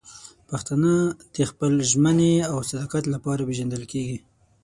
پښتانه د خپل ژمنې او صداقت لپاره پېژندل کېږي.